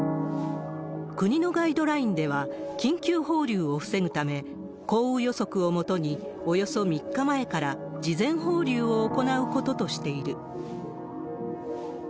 国のガイドラインでは、緊急放流を防ぐため、降雨予測をもとに、およそ３日前から事前放流を行うこととしている。